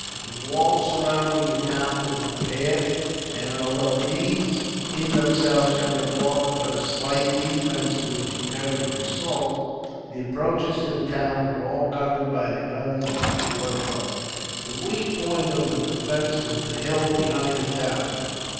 The walls surrounding the town were repaired, and although these, in themselves, could have offered but a slight defence to a determined assault, the approaches to the town were all covered by the guns of the fort above. The weak point of the defence was the hill behind the town.